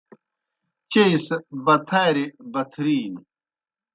چیئی سہ بتھاریْ بتھرِینیْ۔